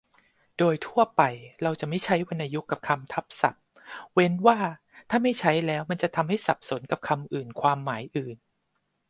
โดยทั่วไปเราจะไม่ใช้วรรณยุกต์กับคำทับศัพท์ เว้นว่าถ้าไม่ใช้แล้วมันจะทำให้สับสนกับคำอื่นความหมายอื่น